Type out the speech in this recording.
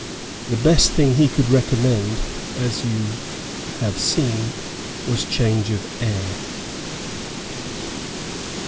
The best thing he could recommend as you have seen was change of air.